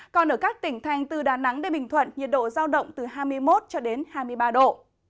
còn ở các tỉnh thành từ đà nẵng đến bình thuận nhiệt độ giao động từ hai mươi một cho đến hai mươi ba độ